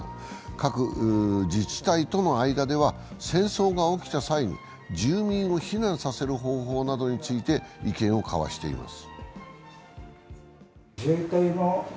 各自治体との間では戦争が起きた際に、住民を避難させる方法などについて意見を交わしています。